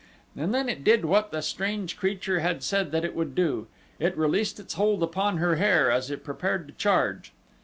And then it did what the strange creature had said that it would do it released its hold upon her hair as it prepared to charge.